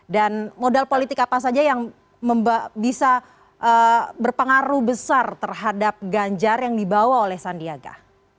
dan modal politik apa saja yang bisa berpengaruh besar terhadap ganjar yang dibawa oleh sandiaga